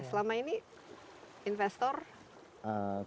selama ini investor belum swasta